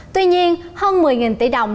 tuy nhiên hơn một mươi tỷ đồng